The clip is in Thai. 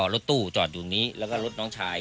รถตู้จอดอยู่นี้แล้วก็รถน้องชาย